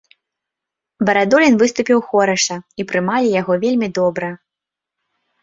Барадулін выступіў хораша, і прымалі яго вельмі добра.